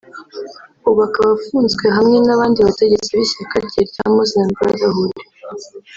ubu akaba afunzwe hamwe n’abandi bategetsi b’ishyaka rye rya Muslim Brotherhood